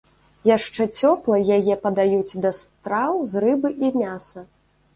Яшчэ цёплай яе падаюць да страў з рыбы і мяса.